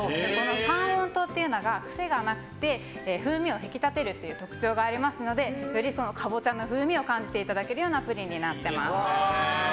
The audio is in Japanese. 三温糖というのは癖がなくて風味を引き立てる必要がありますのでカボチャの風味を感じていただけるプリンになっております。